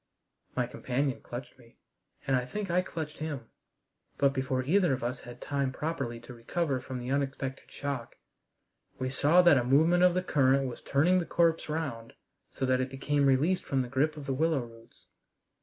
My companion clutched me, and I think I clutched him, but before either of us had time properly to recover from the unexpected shock, we saw that a movement of the current was turning the corpse round so that it became released from the grip of the willow roots.